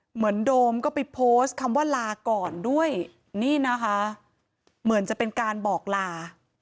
โดมก็ไปโพสต์คำว่าลาก่อนด้วยนี่นะคะเหมือนจะเป็นการบอกลา